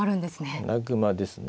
穴熊ですね。